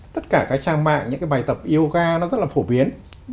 tất cả các trang mạng những cái bài tập yoga nó rất là phổ biến